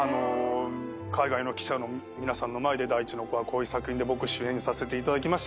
海外の記者の皆さんの前で『大地の子』はこういう作品で僕主演させていただきました。